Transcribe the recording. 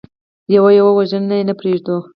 يو يو وژنو، نه يې پرېږدو.